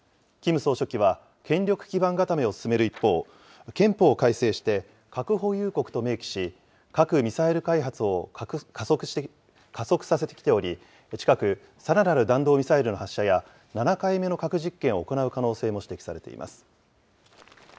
キム総書記は、権力基盤固めを進める一方、憲法を改正して、核保有国と明記し、核・ミサイル開発を加速させてきており、近く、さらなる弾道ミサイルの発射や、７回目の核実験を行う可能性も指摘されています。